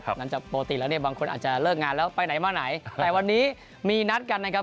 หลังจากปกติแล้วเนี่ยบางคนอาจจะเลิกงานแล้วไปไหนมาไหนแต่วันนี้มีนัดกันนะครับ